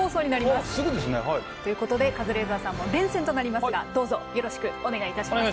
すぐですね。ということでカズレーザーさんも連戦となりますがどうぞよろしくお願いいたします。